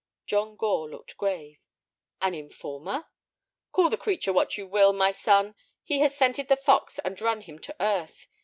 John Gore looked grave. "An informer?" "Call the creature what you will, my son, he has scented the fox and run him to earth.